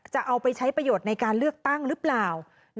จะเอาไปใช้ประโยชน์ในการเลือกตั้งหรือเปล่า